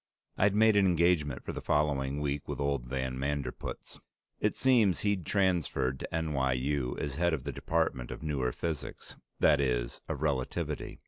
I'd made an engagement for the following week with old van Manderpootz. It seems he'd transferred to N.Y.U. as head of the department of Newer Physics that is, of Relativity.